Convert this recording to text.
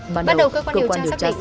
bắt đầu cơ quan điều tra xác định